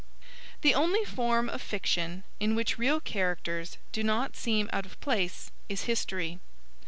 The only form of fiction in which real characters do not seem out of place is history.